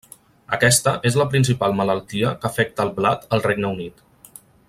Aquesta és la principal malaltia que afecta el blat al Regne Unit.